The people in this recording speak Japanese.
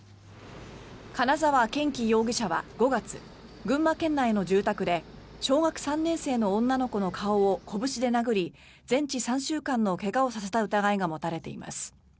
金沢健樹容疑者は５月群馬県内の住宅で小学３年生の女の子の顔をこぶしで殴り全治３週間の怪我をさせた疑いが持たれています。